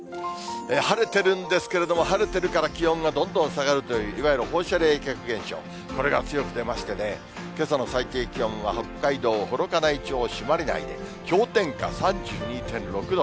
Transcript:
晴れてるんですけれども、晴れてるから気温がどんどん下がるという、いわゆる放射冷却現象、これが強く出ましてね、けさの最低気温は、北海道幌加内町朱鞠内で氷点下３２．６度。